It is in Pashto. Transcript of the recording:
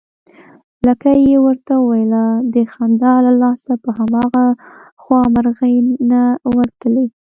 لکۍ يې ورته ويله، د خندا له لاسه په هماغه خوا مرغۍ نه ورتلې